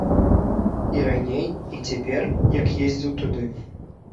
І раней, і цяпер, як ездзіў туды.